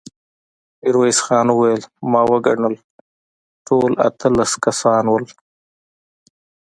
ميرويس خان وويل: ما وګڼل، ټول اتلس کسان وو.